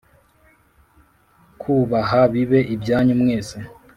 kubaha bibe ibyanyu mwese